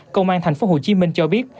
công an tp hcm cho biết